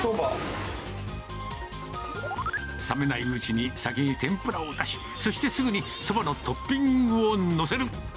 冷めないうちに先に天ぷらを出し、そしてすぐにそばのトッピングを載せる。